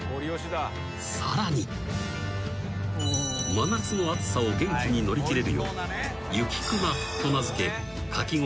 ［真夏の暑さを元気に乗り切れるように雪くまと名付け］